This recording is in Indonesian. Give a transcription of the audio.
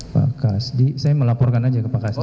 pak kasdi saya melaporkan aja ke pak kasdi